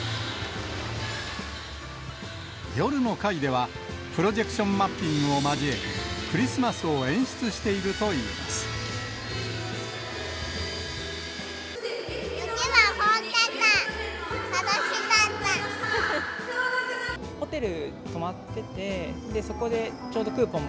夜の回では、プロジェクションマッピングを交え、クリスマスを演出していると雪が降ってた。